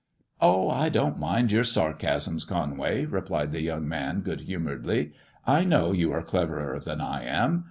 " Oh I I don't mind your sarcasms, Conway," replied the young man, good humouredly. " I know you are cleverer than I am.